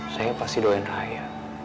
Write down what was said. saya pasti doain raya